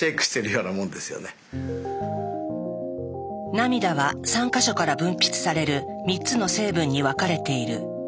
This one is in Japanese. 涙は３か所から分泌される３つの成分に分かれている。